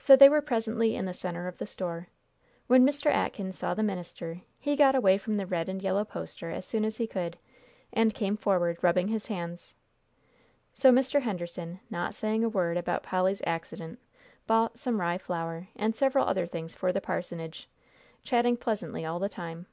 So they were presently in the centre of the store. When Mr. Atkins saw the minister, he got away from the red and yellow poster as soon as he could, and came forward, rubbing his hands. So Mr. Henderson, not saying a word about Polly's accident, bought some rye flour, and several other things for the parsonage, chatting pleasantly all the time.